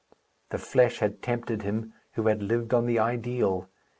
The flesh had tempted him, who had lived on the ideal.